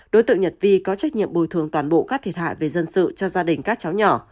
đối tượng nhật vi có trách nhiệm bồi thường toàn bộ các thiệt hại về dân sự cho gia đình các cháu nhỏ